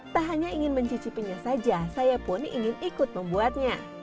tak hanya ingin mencicipinya saja saya pun ingin ikut membuatnya